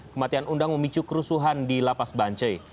kematian undang memicu kerusuhan di lapas bancai